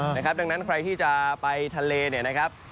ดังนั้นใครที่จะไปทะเลเนี่ยนะครับ